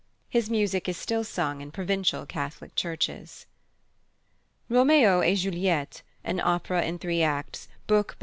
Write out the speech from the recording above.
His music is still sung in provincial Catholic churches. Roméo et Juliette, an opera in three acts, book by M.